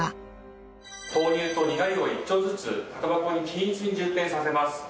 豆乳とにがりを一丁ずつ型箱に均一に充填させます。